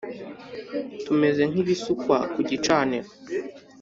Tumeze nkibisukwa kugicaniro